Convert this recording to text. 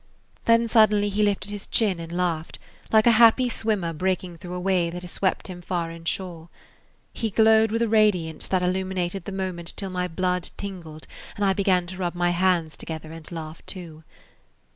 Then suddenly he lifted his chin and laughed, like a happy swimmer breaking through a wave that has swept him far inshore. He glowed with a radiance that illuminated the moment till my blood tingled and I began to rub my hands together and laugh, too.